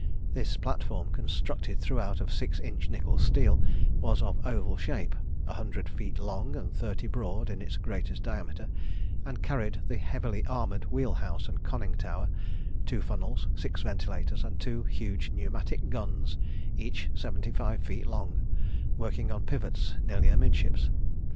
This platform, constructed throughout of 6 inch nickel steel, was of oval shape, a hundred feet long and thirty broad in its greatest diameter, and carried the heavily armoured wheel house and conning tower, two funnels, six ventilators, and two huge pneumatic guns, each seventy five feet long, working on pivots nearly amidships.